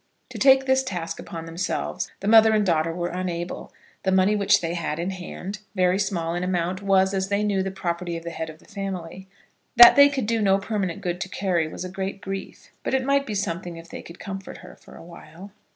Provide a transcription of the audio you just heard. To take this task upon themselves the mother and daughter were unable. The money which they had in hand, very small in amount, was, they knew, the property of the head of the family. That they could do no permanent good to Carry was a great grief. But it might be something if they could comfort her for awhile.